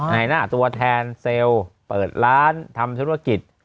ในหน้าตัวแทนเซลล์เปิดร้านทำธุรกิจ